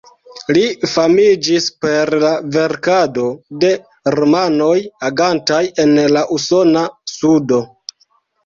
Li famiĝis per la verkado de romanoj agantaj en la usona sudo.